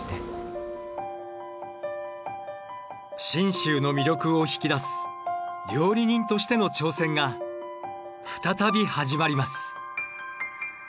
信州の魅力を引き出す料理人としての挑戦が再び始まります。